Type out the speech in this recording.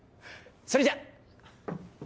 それじゃ！